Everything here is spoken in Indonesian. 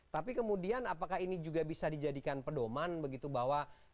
tapi kemudian apakah ini juga bisa dijadikan pedoman begitu bahwa